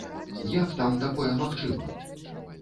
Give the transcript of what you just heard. Як там такое магчыма?!